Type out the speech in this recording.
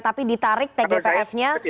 tapi ditarik tgpf nya